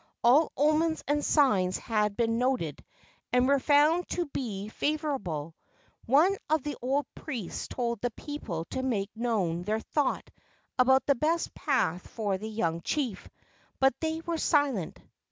All omens and signs had been noted and were found to be favorable. One of the old priests told the people to make known their thought about the best path for the young chief, but they were silent.